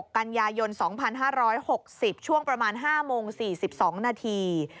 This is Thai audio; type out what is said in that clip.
กันยายน๒๕๖๐ช่วงประมาณ๕โมง๔๒นาที